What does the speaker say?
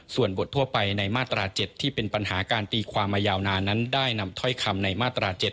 ส่วนบททั่วไปในมาตรา๗ที่เป็นปัญหาการตีความมายาวนานนั้นได้นำถ้อยคำในมาตรา๗